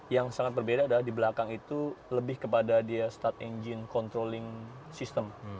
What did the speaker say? yang sangat berbeda adalah di belakang itu lebih kepada dia start engine controlling system